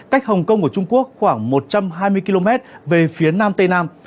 cách hồng kông của trung quốc khoảng một trăm hai mươi km về phía nam tây nam